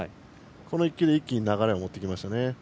この１球で一気に流れを持ってきましたね。